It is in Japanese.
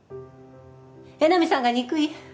江波さんが憎い？